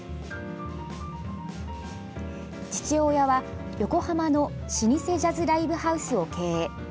父親は、横浜の老舗ジャズライブハウスを経営。